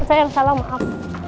sayang salah maaf